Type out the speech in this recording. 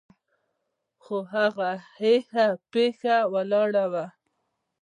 خو هغه هيښه پيښه ولاړه وه.